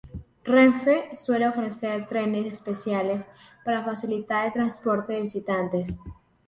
Renfe suele ofrecer trenes especiales para facilitar el transporte de visitantes.